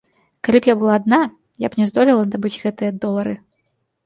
Калі б я была адна, я б не здолела набыць гэтыя долары.